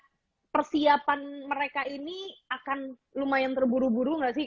nah persiapan mereka ini akan lumayan terburu buru gak sih